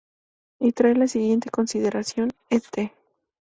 Y trae la siguiente consideración: "Et.